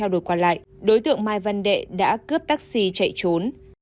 đối tượng mai vân đệ đã cướp taxi chạy trốn